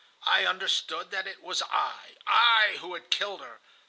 I understood that it was I, I, who had killed her.